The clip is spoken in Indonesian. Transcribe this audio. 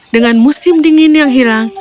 dengan musim dingin yang hilang